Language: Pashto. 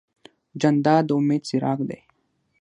جانداد د امید څراغ دی.